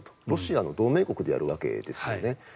ロシアの同盟国でやるわけですよね。